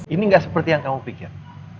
ini nggak seperti yang kamu pikir